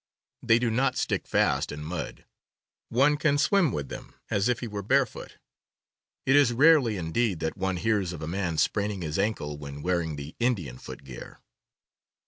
They do not stick fast in mud. One can swim with them as if he were barefoot. It is rarely indeed that one hears of a man spraining his ankle when wearing the Indian footgear.